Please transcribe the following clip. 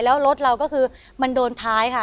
แล้วรถเราก็คือมันโดนท้ายค่ะ